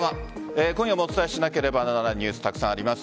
今夜もお伝えしなければならないニュース、たくさんあります。